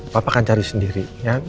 papa akan cari sendiri